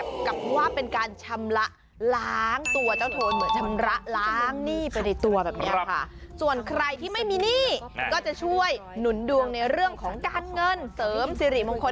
ก็คิดว่าไปอาบน้ำจราเข้พวกมันเป็นสิริมงคล